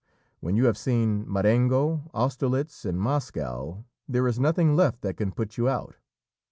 When you have seen Marengo, Austerlitz, and Moscow, there is nothing left that can put you out."